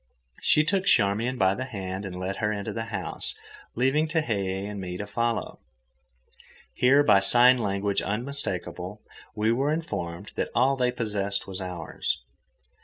She took Charmian by the hand and led her into the house, leaving Tehei and me to follow. Here, by sign language unmistakable, we were informed that all they possessed was ours.